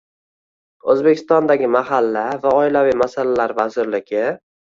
O'zbekistondagi Mahala va oilaviy masalalar vazirligi